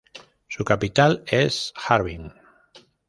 Su capital es Harbin.